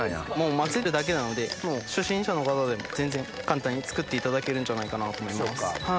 混ぜるだけなので初心者の方でも全然簡単に作っていただけるんじゃないかなと思います。